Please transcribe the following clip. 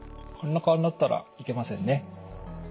こんな顔になったらいけませんね。